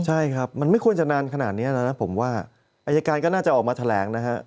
ใช่ครับมันไม่ควรจะนานขนาดนี้แล้วนะผมว่าอายการก็น่าจะออกมาแถลงนะฮะ